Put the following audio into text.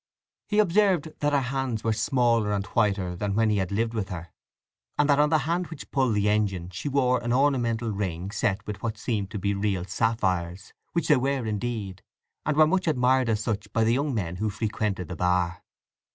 He observed that her hands were smaller and whiter than when he had lived with her, and that on the hand which pulled the engine she wore an ornamental ring set with what seemed to be real sapphires—which they were, indeed, and were much admired as such by the young men who frequented the bar.